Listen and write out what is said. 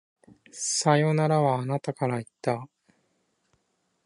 さよならは、あなたから言った。